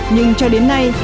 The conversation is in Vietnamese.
nhưng cho đến nay